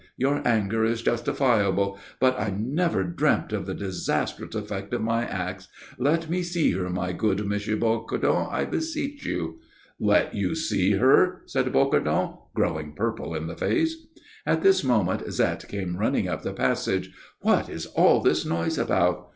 Your anger is justifiable. But I never dreamt of the disastrous effect of my acts. Let me see her, my good M. Bocardon, I beseech you." "Let you see her?" said Bocardon, growing purple in the face. At this moment Zette came running up the passage. "What is all this noise about?"